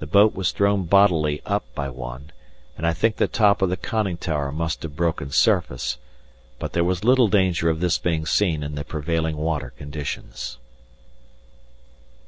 The boat was thrown bodily up by one, and I think the top of the conning tower must have broken surface, but there was little danger of this being seen in the prevailing water conditions.